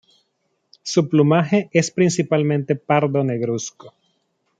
Su plumaje es principalmente pardo negruzco.